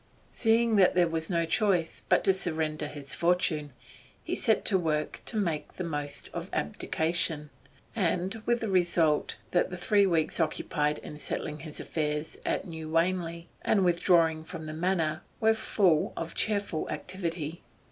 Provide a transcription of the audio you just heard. Seeing that there was no choice but to surrender his fortune, he set to work to make the most of abdication, and with the result that the three weeks occupied in settling his affairs at New Wanley and withdrawing from the Manor were full of cheerful activity.